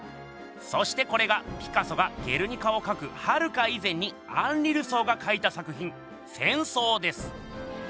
そしてこれがピカソが「ゲルニカ」をかくはるか以前にアンリ・ルソーがかいた作品「戦争」です！